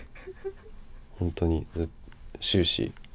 本当に、終始。